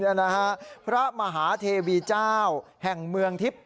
นี่นะฮะพระมหาเทวีเจ้าแห่งเมืองทิพย์